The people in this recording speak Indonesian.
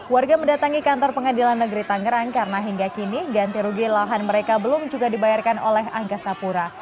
warga mendatangi kantor pengadilan negeri tangerang karena hingga kini ganti rugi lahan mereka belum juga dibayarkan oleh angga sapura